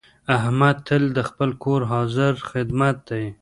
احمد تل د خپل کور حاضر خدمت دی.